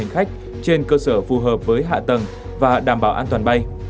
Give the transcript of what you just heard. nên cơ sở phù hợp với hạ tầng và đảm bảo an toàn bay